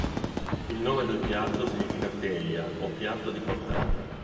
Il nome del piatto significa teglia o piatto di portata.